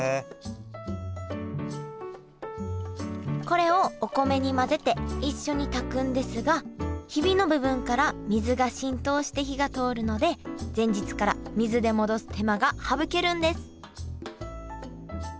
これをお米に混ぜて一緒に炊くんですがヒビの部分から水が浸透して火が通るので前日から水で戻す手間が省けるんです